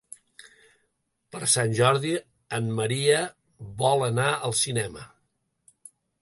Per Sant Jordi en Maria vol anar al cinema.